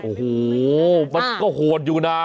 โอ้โหมันก็โหดอยู่นะ